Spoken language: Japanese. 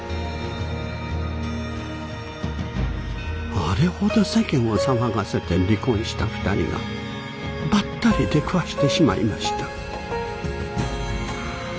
あれほど世間を騒がせて離婚した２人がばったり出くわしてしまいました。